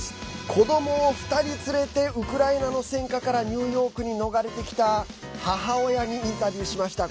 子どもを２人連れてウクライナの戦禍からニューヨークに逃れてきた母親にインタビューしました。